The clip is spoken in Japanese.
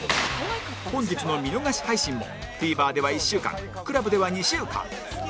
本日の見逃し配信も ＴＶｅｒ では１週間 ＣＬＵＢ では２週間